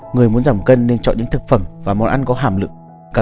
người muốn giảm cân nên chọn những thực phẩm và món ăn có hàm lượng